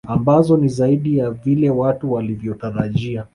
Ambazo ni zaidi ya vile watu walivyotarajia